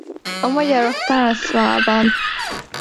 A magyarok Transvaalban.